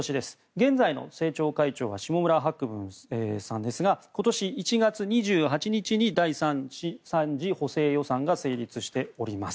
現在の政調会長は下村博文さんですが今年１月２８日に第３次補正予算が成立しています。